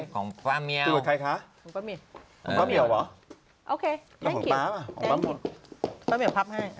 ของข้าเหมียว